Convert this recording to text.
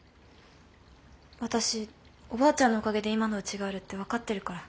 私おばあちゃんのおかげで今のうちがあるって分かってるから。